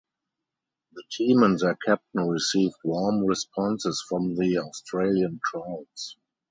The team and their captain received "warm" responses from the Australian crowds.